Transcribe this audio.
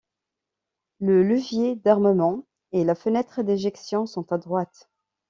Le levier d’armement et la fenêtre d'éjection sont à droite.